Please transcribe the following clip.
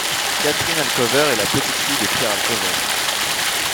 Catherine Alcover est la petite-fille de Pierre Alcover.